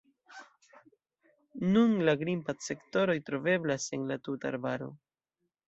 Nun, la grimpad-sektoroj troveblas en la tuta arbaro.